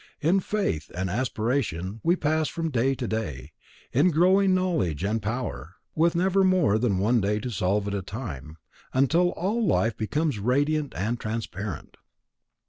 In faith and aspiration, we pass from day to day, in growing knowledge and power, with never more than one day to solve at a time, until all life becomes radiant and transparent.